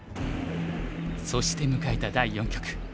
そして迎えた第四局。